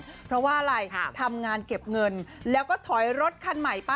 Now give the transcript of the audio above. แต่เอาไว้แบบนี้๐๖ทับ๐๗ทับ๖๖